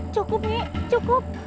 cukup nyi cukup